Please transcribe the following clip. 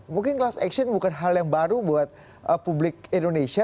mungkin class action bukan hal yang baru buat publik indonesia